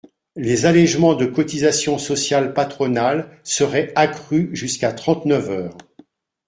Les allégements de cotisations sociales patronales seraient accrus jusqu’à trente-neuf heures ».